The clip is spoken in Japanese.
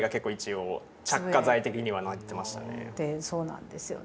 そうなんですよね。